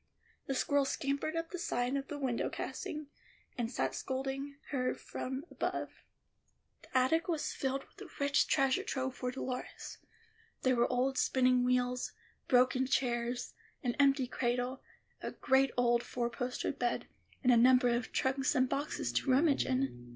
The squirrel scampered up the side of the window casing, and sat scolding her from above. The attic was filled with a rich treasure trove for Dolores. There were old spinning wheels, broken chairs, an empty cradle, a great old four posted bed, and a number of trunks and boxes to rummage in.